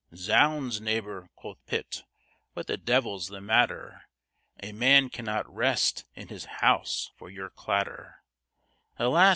"Zounds, neighbor!" quoth Pitt, "what the devil's the matter? A man cannot rest in his house for your clatter;" "Alas!"